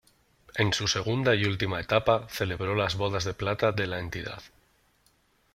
En su segunda y última etapa, celebró las Bodas de Plata de la entidad.